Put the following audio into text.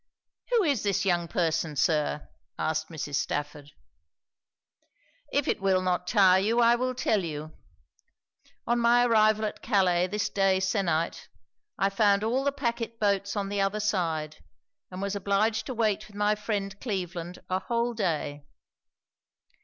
'Who is this young person, Sir?' asked Mrs. Stafford. 'If it will not tire you I will tell you. On my arrival at Calais this day se'nnight, I found all the pacquet boats on the other side, and was obliged to wait with my friend Cleveland a whole day.